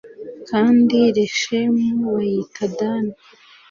kandi leshemu bayita dani